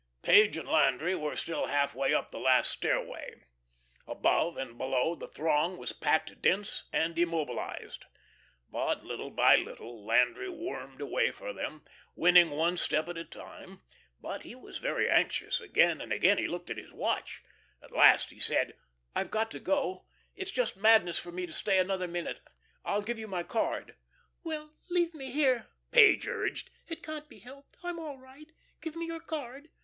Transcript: Page and Landry were still halfway up the last stairway. Above and below, the throng was packed dense and immobilised. But, little by little, Landry wormed a way for them, winning one step at a time. But he was very anxious; again and again he looked at his watch. At last he said: "I've got to go. It's just madness for me to stay another minute. I'll give you my card." "Well, leave me here," Page urged. "It can't be helped. I'm all right. Give me your card.